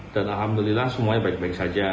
dan alhamdulillah semuanya baik baik saja